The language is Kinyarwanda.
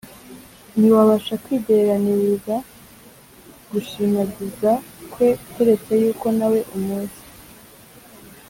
Ntiwabasha kwigereraniriza gushimagiza kwe, keretse yuko nawe umuzi